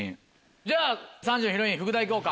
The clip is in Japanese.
じゃあ３時のヒロイン福田行こうか。